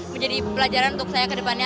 menjadi pelajaran untuk saya kedepannya